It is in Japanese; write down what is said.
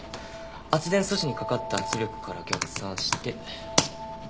圧電素子にかかった圧力から逆算して。